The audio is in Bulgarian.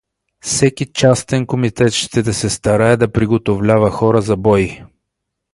Секи частен комитет ще да се старае да приготовлява хора за бой.